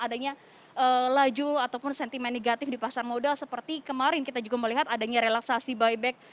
adanya laju ataupun sentimen negatif di pasar modal seperti kemarin kita juga melihat adanya relaksasi buyback